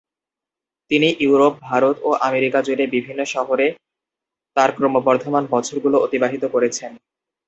তিনি ইউরোপ, ভারত এবং আমেরিকা জুড়ে বিভিন্ন শহরে তার ক্রমবর্ধমান বছরগুলো অতিবাহিত করছেন।